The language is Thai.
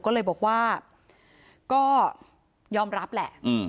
ก็เลยบอกว่าก็ยอมรับแหละ